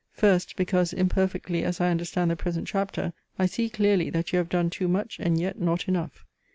First, because imperfectly as I understand the present Chapter, I see clearly that you have done too much, and yet not enough.